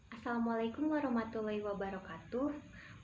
assalamualaikum warahmatullahi wabarakatuh